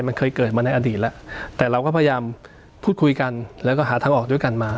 มันเคยเกิดมาในอดีตแล้วแต่เราก็พยายามพูดคุยกันแล้วก็หาทางออกด้วยกันมา